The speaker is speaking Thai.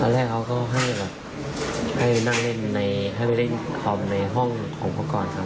ตอนแรกเขาก็ให้นั่งเล่นในให้ไปเล่นคอมในห้องผมก่อนครับ